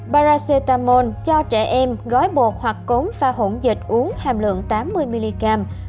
paracetamol cho trẻ em gói bột hoặc cốn pha hỗn dịch uống hàm lượng tám mươi mg